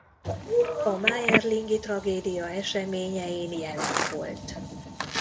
A mayerlingi tragédia eseményein jelen volt.